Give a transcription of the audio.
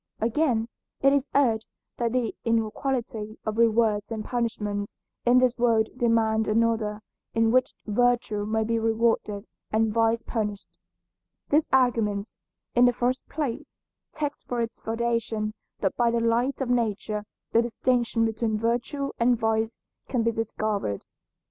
Again, it is urged that the inequality of rewards and punishments in this world demand another in which virtue may be rewarded and vice punished. This argument, in the first place, takes for its foundation that by the light of nature the distinction between virtue and vice can be discovered.